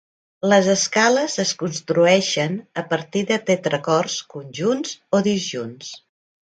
Les escales es construeixen a partir de tetracords conjunts o disjunts.